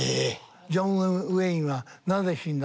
「ジョン・ウェインはなぜ死んだ」